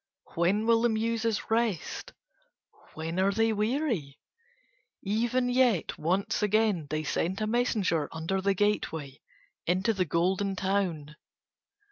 When will the Muses rest? When are they weary? Even yet once again they sent a messenger under the gateway into the Golden Town.